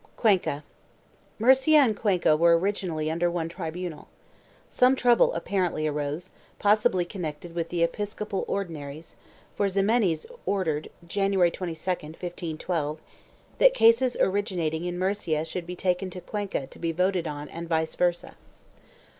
4 CUENCA. Murcia and Cuenca were originally under one tribunal. Some trouble apparently arose, possibly connected with the episcopal Ordinaries, for Ximenes ordered, January 22, 1512, that cases originat ing in Murcia should be taken to Cuenca to be voted on and vice versa.